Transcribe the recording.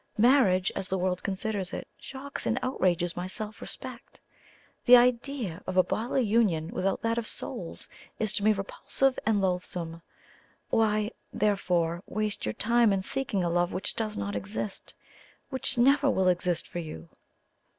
Marriage, as the world considers it, shocks and outrages my self respect; the idea of a bodily union without that of souls is to me repulsive and loathsome. Why, therefore, waste your time in seeking a love which does not exist, which never will exist for you?"